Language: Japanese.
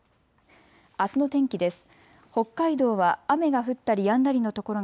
あすの天気です。